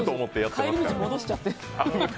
帰り道、戻しちゃって。